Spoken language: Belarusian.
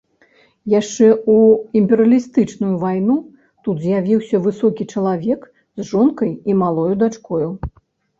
Яшчэ ў імперыялістычную вайну тут з'явіўся высокі чалавек з жонкай і малою дачкою.